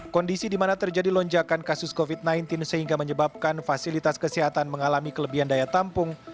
kondisi di mana terjadi lonjakan kasus covid sembilan belas sehingga menyebabkan fasilitas kesehatan mengalami kelebihan daya tampung